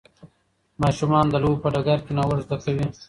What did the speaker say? ماشومان د لوبو په ډګر کې نوښت زده کوي.